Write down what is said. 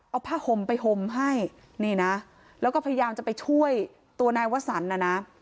เอาผ้าห่มไปห่มให้นี่นะแล้วก็พยายามจะไปช่วยตัวนายวสันนะนะ